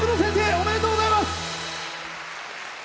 おめでとうございます。